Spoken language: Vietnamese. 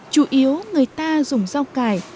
chủ yếu người ta dùng rau cải